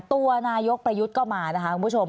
ตัวนายกประยุทธ์ก็มานะคะคุณผู้ชม